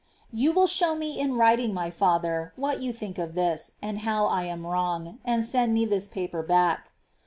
^ 4. You will show me in writing, my father, what you think of this, and how I am in the wrong, and send me this paper back.